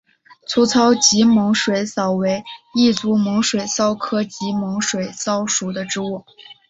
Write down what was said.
粗糙棘猛水蚤为异足猛水蚤科棘猛水蚤属的动物。